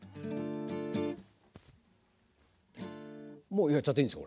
もうやっちゃっていいんですか？